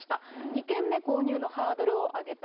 ２軒目購入のハードルを上げた。